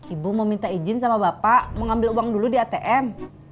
ibu mau minta izin sama bapak mengambil uang dulu di atm